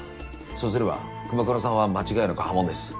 そうすれば熊倉さんは間違いなく破門です。